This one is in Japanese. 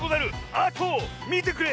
あとみてくれ！